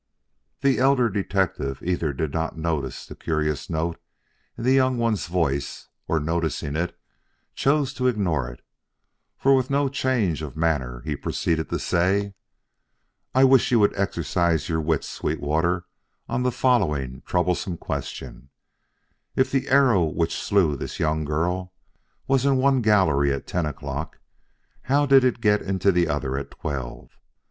The elder detective either did not notice the curious note in the younger one's voice, or noticing it, chose to ignore it, for with no change of manner he proceeded to say: "I wish you would exercise your wits, Sweetwater, on the following troublesome question: if the arrow which slew this young girl was in one gallery at ten o'clock, how did it get into the other at twelve?